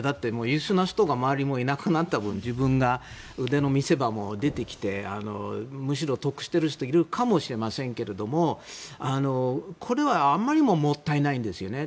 優秀な人が周りにいなくなった分自分が腕の見せ場が出てきてむしろ得している人いるかもしれませんけどもこれは、あまりにももったいないんですよね。